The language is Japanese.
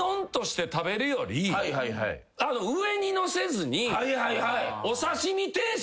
上にのせずに。